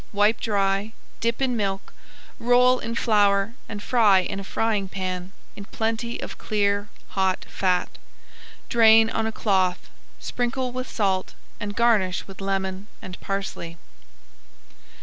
Wipe dry, dip in milk, roll in flour and fry in a frying pan in plenty of clear hot fat. Drain on a cloth, sprinkle with salt, and garnish with lemon and parsley.